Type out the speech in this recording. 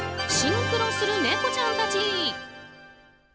シンクロする猫ちゃんたち。